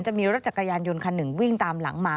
จะมีรถจักรยานยนต์คันหนึ่งวิ่งตามหลังมา